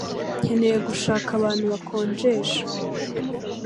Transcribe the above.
Nkeneye gushaka abantu bakonjesha